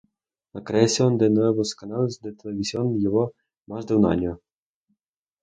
La creación de nuevos canales de televisión llevó más de un año.